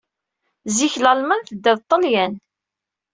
Zik Lalman tedda d Ṭṭelyan.